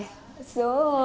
そう。